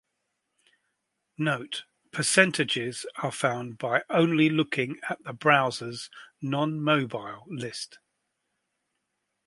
Note: Percentages are found by only looking at the "Browsers, non mobile" list.